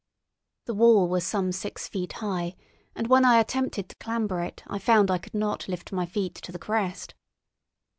The wall was some six feet high, and when I attempted to clamber it I found I could not lift my feet to the crest.